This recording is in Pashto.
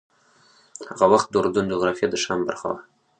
هغه وخت د اردن جغرافیه د شام برخه وه.